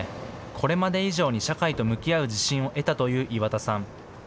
これまで以上に社会と向き合う自信を得たという岩田さん。